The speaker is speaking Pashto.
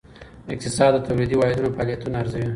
اقتصاد د تولیدي واحدونو فعالیتونه ارزوي.